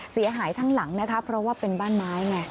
เสียหายทั้งหลังนะคะเพราะว่าเป็นบ้านไม้ไง